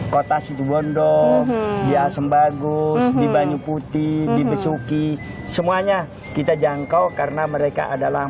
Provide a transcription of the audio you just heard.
kota situbondo di asem bagus di banyu putih di besuki semuanya kita jangkau karena mereka adalah